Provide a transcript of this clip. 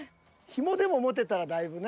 ひもでも持てたらだいぶね。